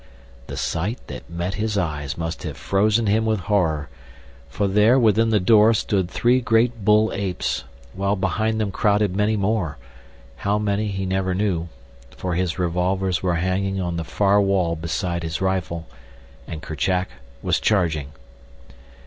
The sight that met his eyes must have frozen him with horror, for there, within the door, stood three great bull apes, while behind them crowded many more; how many he never knew, for his revolvers were hanging on the far wall beside his rifle, and Kerchak was charging.